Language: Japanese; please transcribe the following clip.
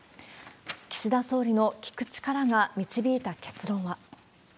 岸田総理の聞く力が導いた結論は。